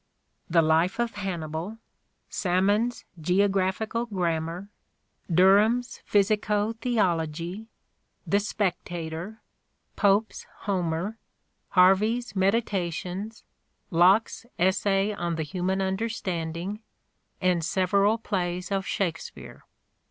' The Life of Hannibal,' ' Salmon's Geographical Grammar/ ' Derham's Physico Theology/ ' The Spectator,' ' Pope's Homer,' ' Hervey's Meditations,' ' Lock's Essay on the Human Understanding,' and several plays of Shakespeare.